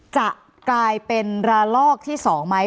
จะกลายเป็นระลอกที่๒ไหม